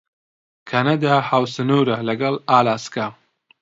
کەنەدا هاوسنوورە لەگەڵ ئالاسکا.